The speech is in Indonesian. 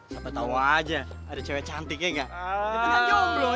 sampai tau aja ada cewe cantiknya enggak